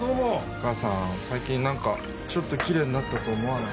母さん、最近何かちょっときれいになったと思わない？